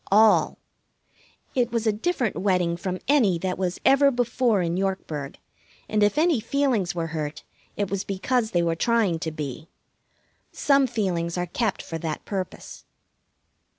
All. It was a different wedding from any that was ever before in Yorkburg, and if any feelings were hurt it was because they were trying to be. Some feelings are kept for that purpose.